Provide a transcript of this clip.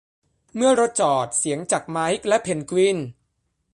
เมื่อรถจอด เสียงจากไมค์และเพนกวิน